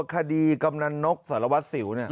คดีกำหนันนกสารวัสสิวเนี่ย